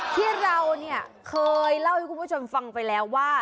ที่เราเนี่ยเคยเล่าให้คุณผู้ชมฟังไปแล้วว่า